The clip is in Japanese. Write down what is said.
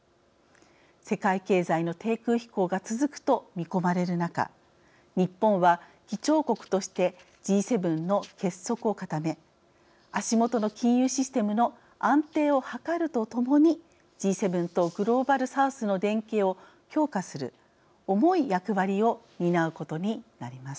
世界経済の低空飛行が続くと見込まれる中日本は議長国としてＧ７の結束を固め足元の金融システムの安定を図るとともにＧ７とグローバルサウスの連携を強化する重い役割を担うことになります。